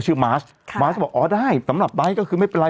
มาสค่ะมาสก็บอกอ๋อได้สำหรับไบท์ก็คือไม่เป็นไร